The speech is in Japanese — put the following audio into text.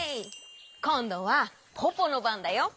こんどはポポのばんだよ。